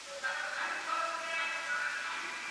په ژوند کي به د ګټورو کتابونو ملګرتیا کوئ.